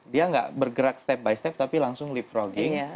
dia nggak bergerak step by step tapi langsung leapfrogging